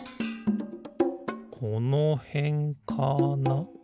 このへんかな？